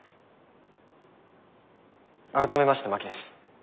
改めまして真木です。